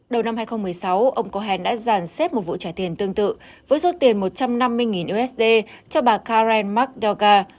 đầu năm hai nghìn một mươi sáu ông cohen đã giàn xếp một vụ trả tiền tương tự với số tiền một trăm năm mươi usd cho bà karen makda